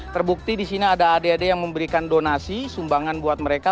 terbukti di sini ada adik adik yang memberikan donasi sumbangan buat mereka